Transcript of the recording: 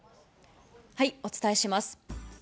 お伝えします。